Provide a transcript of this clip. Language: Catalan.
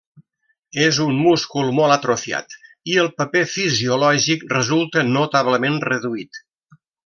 És un múscul molt atrofiat i el paper fisiològic resulta notablement reduït.